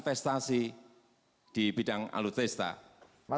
tetapi menurut pak lampung